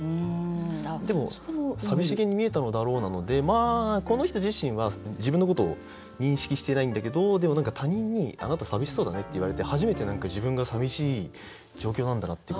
でも「寂しげに見えたのだろう」なのでこの人自身は自分のことを認識していないんだけどでも何か他人に「あなた寂しそうだね」って言われて初めて自分が寂しい状況なんだなっていうことに気付く。